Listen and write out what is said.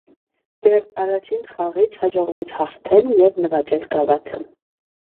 Դեռ առաջին խաղից հաջողվեց հաղթել և նվաճել գավաթը։